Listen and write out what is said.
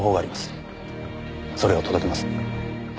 それを届けます。